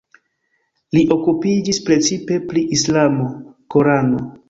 Li okupiĝis precipe pri islamo, Korano.